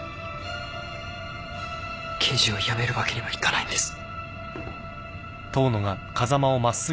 刑事を辞めるわけにはいかないんです。